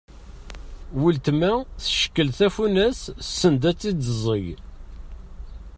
Ultma teckel tafunast send ad tt-id-teẓẓeg.